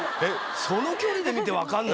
その距離で見て分かんないの？